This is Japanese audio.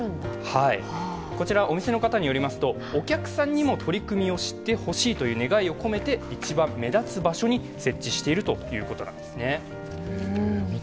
お店の方によりますと、お客さんにも取り組みを知ってほしいという願いを込めて一番目立つ場所に設置しているということなんですね。